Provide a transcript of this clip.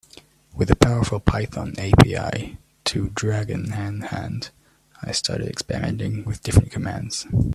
With a powerful Python API to Dragon in hand, I started experimenting with different commands.